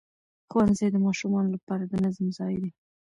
ښوونځی د ماشومانو لپاره د نظم ځای دی